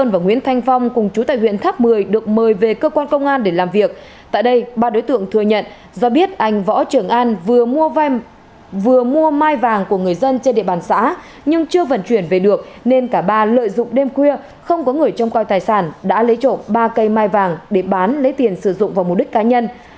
vừa mua mai vàng của người dân trên địa bàn xã nhưng chưa vận chuyển về được nên cả ba lợi dụng đêm khuya không có người trong coi tài sản đã lấy trộm ba cây mai vàng để bán lấy tiền sử dụng vào mục đích cá nhân